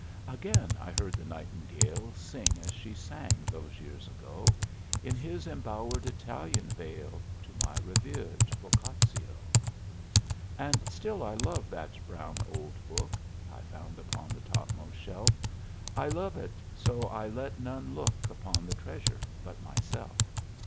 Again I heard the nightingale Sing as she sang those years ago In his embowered Italian vale To my revered Boccaccio. And still I love that brown old book I found upon the topmost shelf I love it so I let none look Upon the treasure but myself!